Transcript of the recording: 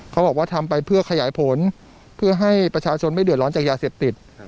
เขาบอกว่าทำไปเพื่อขยายผลเพื่อให้ประชาชนไม่เดือดร้อนจากยาเสพติด